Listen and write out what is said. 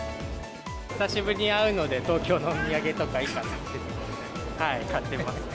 久しぶりに会うので、東京のお土産とかいいかなと思って買ってます。